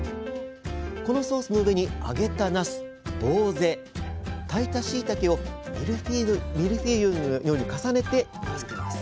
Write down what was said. このソースの上に揚げたなすぼうぜ炊いたしいたけをミルフィーユのように重ねていきます。